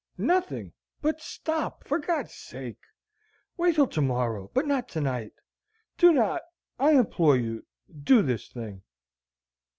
"Nothing but stop for God's sake. Wait till to morrow, but not to night. Do not I implore you do this thing."